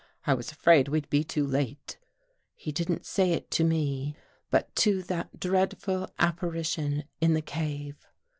I was afraid we'd be too late." He didn't say it to me, but to that dreadful appa rition in the cave.